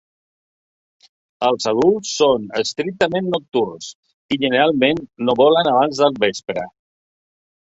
Els adults són estrictament nocturns i generalment no volen abans del vespre.